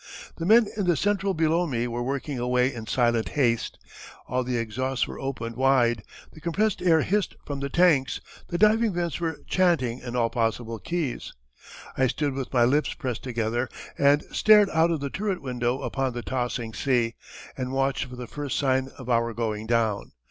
The men in the central below me were working away in silent haste. All the exhausts were opened wide, the compressed air hissed from the tanks the diving vents were chanting in all possible keys. I stood with my lips pressed together and stared out of the turret window upon the tossing sea, and watched for the first sign of our going down.